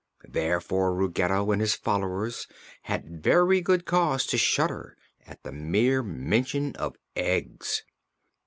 Therefore Ruggedo and his followers had very good cause to shudder at the mere mention of eggs.